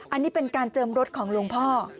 อันนี้เป็นการเจิมรถของหลวงพ่อ